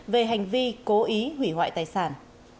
về hành vi cố ý hủy hoại tài sản